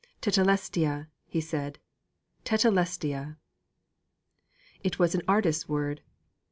'Tetelestai!' he said, 'tetelestai!' It was an artist's word.